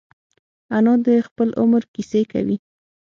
انا د خپل عمر کیسې کوي